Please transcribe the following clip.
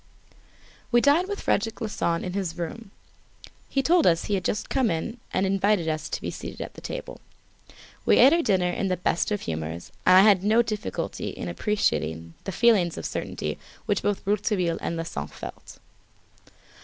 We dined with Frederic Larsan in his room. He told us he had just come in and invited us to be seated at table. We ate our dinner in the best of humours, and I had no difficulty in appreciating the feelings of certainty which both Rouletabille and Larsan felt.